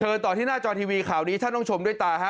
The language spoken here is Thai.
ต่อที่หน้าจอทีวีข่าวนี้ท่านต้องชมด้วยตาฮะ